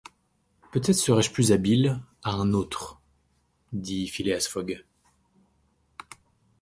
Peut-être serai-je plus habile à un autre, dit Phileas Fogg.